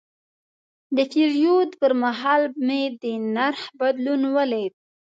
د پیرود پر مهال مې د نرخ بدلون ولید.